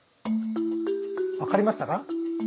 分かりましたか？